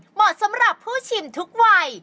เหมาะสำหรับผู้ชิมทุกวัย